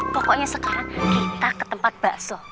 pokoknya sekarang kita ke tempat bakso